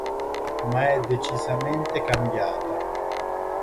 Ma è decisamente cambiata.